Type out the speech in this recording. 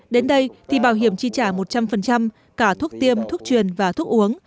đến đây thì bảo hiểm chi trả một trăm linh cả thuốc tiêm thuốc truyền và thuốc uống